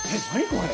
これ。